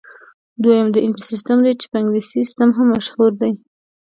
دویم د انچ سیسټم دی چې په انګلیسي سیسټم هم مشهور دی.